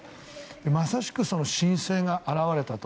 まさしく新星が現れたと。